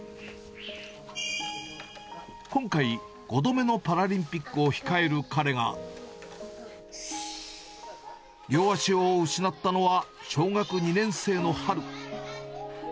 今回、５度目のパラリンピックを控える彼が両足を失ったのは、小学２年生の春。